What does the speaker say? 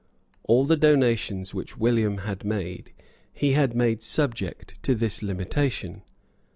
All the donations which William had made he had made subject to this limitation.